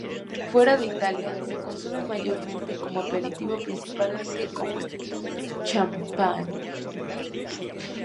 Fuera de Italia, se consume mayoritariamente como aperitivo, principalmente como el champán.